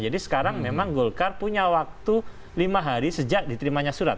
jadi sekarang memang golkar punya waktu lima hari sejak diterimanya surat